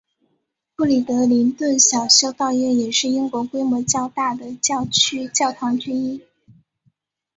布里德灵顿小修道院也是英国规模较大的教区教堂之一。